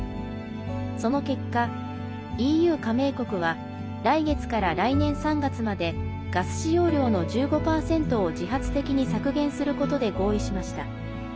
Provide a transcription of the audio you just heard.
その結果、ＥＵ加盟国は来月から来年３月までガス使用量の１５％を自発的に削減することで合意しました。